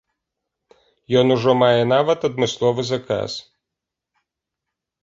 Ён ужо мае нават адмысловы заказ!